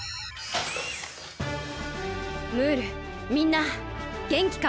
ムールみんなげんきか？